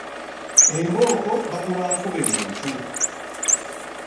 Embooko bakuba nkube muntu.